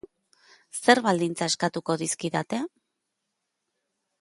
Zer baldintza eskatuko dizkidate?